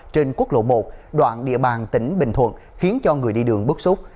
trên quốc lộ một đoạn địa bàn tỉnh bình thuận khiến cho người đi đường bức xúc